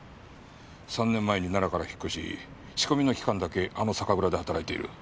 ３年前に奈良から引っ越し仕込みの期間だけあの酒蔵で働いている。